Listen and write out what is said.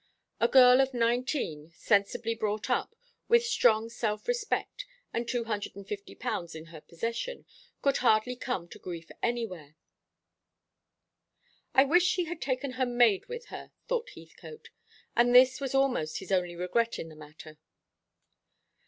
A girl of nineteen, sensibly brought up, with strong self respect, and two hundred and fifty pounds in her possession, could hardly come to grief anywhere. "I wish she had taken her maid with her," thought Heathcote, and this was almost his only regret in the matter.